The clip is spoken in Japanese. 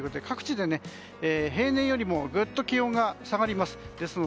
各地で平年よりもぐっと気温が下がります。